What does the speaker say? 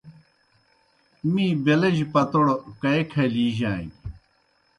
می بیلجیْ پتوڑ کائی کھلِیجانیْ۔